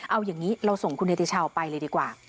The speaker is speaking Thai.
เอาอย่างนี้เราส่งคุณเนติชาวไปเลยดีกว่า